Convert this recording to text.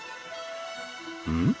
うん？